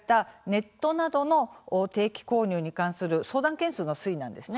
ネットなどの定期購入に関する相談件数の推移です。